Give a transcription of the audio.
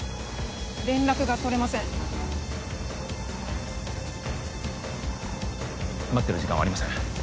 連絡が取れません待ってる時間はありません